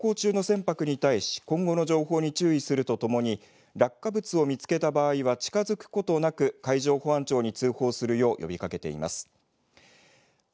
また海上保安庁は航行警報を出して航行中の船舶に対し今後の情報に注意するとともに落下物を見つけた場合は近づくことなく海上保安庁に通報するよう呼びかけています。